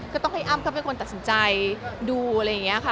ก็ต้องให้อ้ำเขาเป็นคนตัดสินใจดูอะไรอย่างนี้ค่ะ